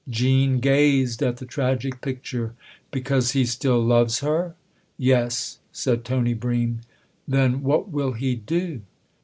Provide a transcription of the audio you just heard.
Jean gazed at the tragic picture. " Because he still loves her ?"" Yes," said Tony Bream. "Then what will he do?"